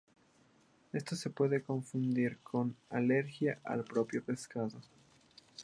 Esto se puede confundir con alergia al propio pescado.